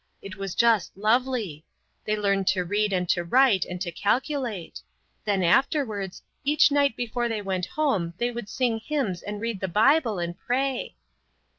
It was just lovely. They learned to read and to write and to calculate. Then afterwards, each night before they went home they would sing hymns and read the Bible and pray."